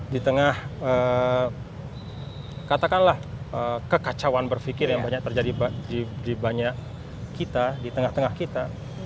di tengah katakanlah kekacauan berpikir yang banyak terjadi di banyak kita di tengah tengah kita